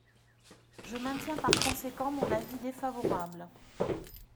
Je maintiens par conséquent mon avis défavorable.